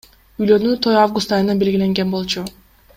Үйлөнүү той август айына белгиленген болчу.